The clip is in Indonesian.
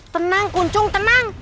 tenang kuncung tenang